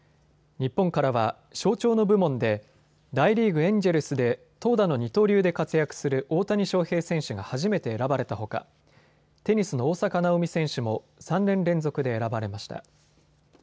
日本からは象徴の部門で大リーグ・エンジェルスで投打の二刀流で活躍する大谷翔平選手が初めて選ばれたほかテニスの大坂なおみ選手も３年連続で選ばれました。